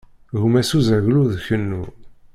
Gmas uzaglu d kennu.